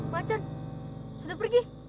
macan sudah pergi